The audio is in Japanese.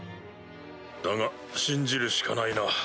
だが信じるしかないな。